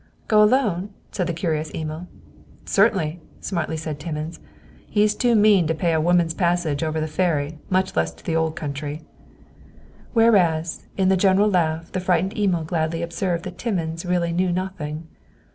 "Go alone?" said the curious Emil. "Certainly," smartly said Timmins. "He is too mean to pay a woman's passage over the ferry, much less to the Old Country!" Whereat, in the general laugh, the frightened Emil gladly observed that Timmins really knew nothing.